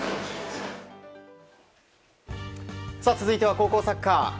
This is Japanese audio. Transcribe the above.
続いては高校サッカー。